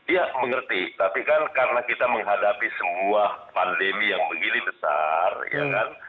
ya mengerti tapi kan karena kita menghadapi sebuah pandemi yang begini besar ya kan